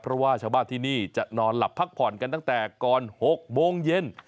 เพราะว่าชาวบ้านที่นี่จะนอนหลับพักผ่อนกันตั้งแต่ก่อน๖โมงเย็น